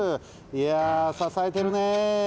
いやささえてるね！